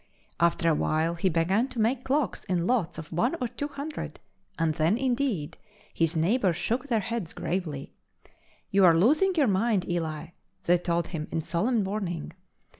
After a while he began to make clocks in lots of one or two hundred and then, indeed, his neighbors shook their heads gravely. "You are losing your mind, Eli," they told him, in solemn warning.